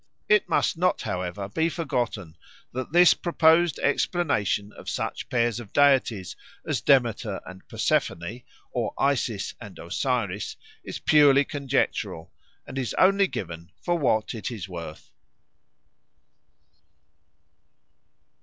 It must not, however, be forgotten that this proposed explanation of such pairs of deities as Demeter and Persephone or Isis and Osiris is purely conjectural, and is only given for what it is worth.